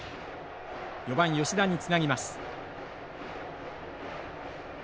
４番吉田につなぎます。